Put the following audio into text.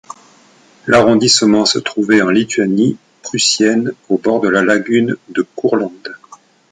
L'arrondissement se trouvait en Lituanie prussienne au bord de la lagune de Courlande.